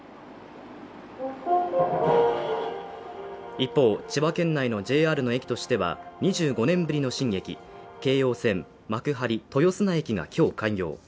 一方、千葉県内のＪＲの駅としては２５年ぶりの新駅京葉線幕張豊砂駅が今日開業。